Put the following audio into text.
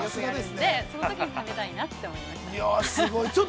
◆すごい。